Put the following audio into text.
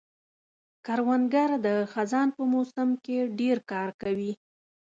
کروندګر د خزان په موسم کې ډېر کار کوي